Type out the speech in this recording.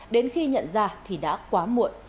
đến khi nhận ra thì đã quá muộn